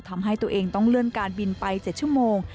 ทำให้ตัวเองต้องเลื่อนการบินไป๗ชั่วโมง